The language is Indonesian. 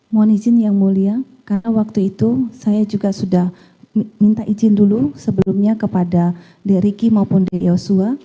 mohon izin yang mulia karena waktu itu saya juga sudah minta izin dulu sebelumnya kepada d ricky maupun d yosua